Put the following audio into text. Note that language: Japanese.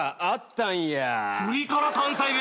あったんや。